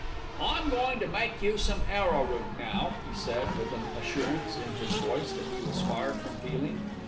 "I'm goin' to make you some arrowroot, now," he said, with an assurance in his voice that he was far from feeling.